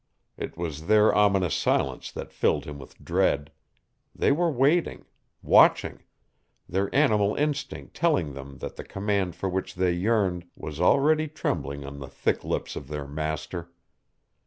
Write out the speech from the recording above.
It was their ominous silence that filled him with dread. They were waiting watching their animal instinct telling them that the command for which they yearned was already trembling on the thick lips of their master.